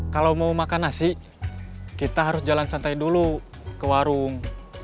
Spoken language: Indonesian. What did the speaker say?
kalau mau makan nasi kita harus jalan santai dulu ke warung